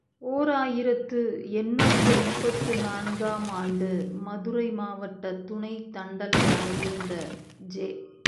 ஓர் ஆயிரத்து எண்ணூற்று முப்பத்து நான்கு ஆம் ஆண்டு, மதுரை மாவட்டத் துணைத் தண்டலராக இருந்த ஜெ.